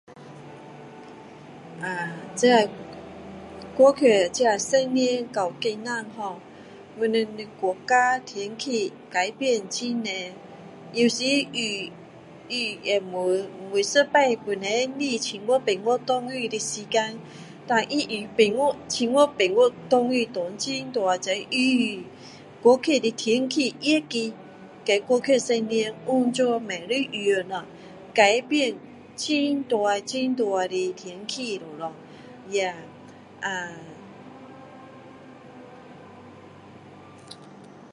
呃这过去这十年到现今ho我们的国家天气改变很多有时雨雨也没每一次本来不是七月八月下雨的时间然后它用八月七月八月下雨下很大这雨过去的天气热的再过去十年完全不一样啊改变很大很大的天气了咯呀啊